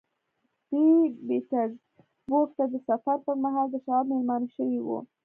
دوی پيټرزبورګ ته د سفر پر مهال د شواب مېلمانه شوي وو.